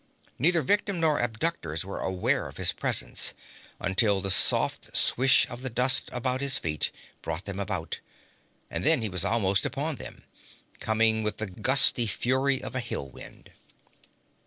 Neither victim nor abductors were aware of his presence until the soft swish of the dust about his feet brought them about, and then he was almost upon them, coming with the gusty fury of a hill wind.